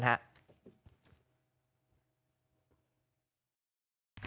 ไฮ